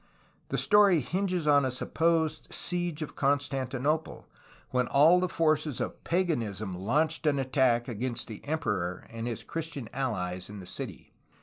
' The story hinges on a supposed siege of Constantinople, when all the forces of paganism launched an attack against the emperor and his Christian allies in the city.